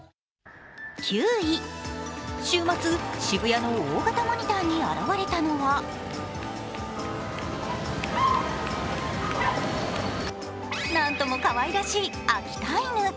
９位、週末、渋谷の大型モニターに現れたのはなんともかわいらしい秋田犬。